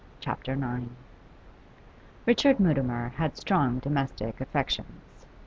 CHAPTER IX Richard Mutimer had strong domestic affections.